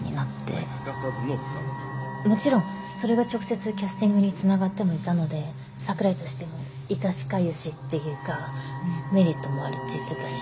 もちろんそれが直接キャスティングにつながってもいたので櫻井としても痛しかゆしっていうかメリットもあるって言ってたし。